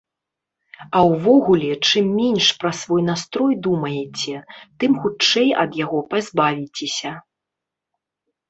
А ўвогуле, чым менш пра свой настрой думаеце, тым хутчэй ад яго пазбавіцеся.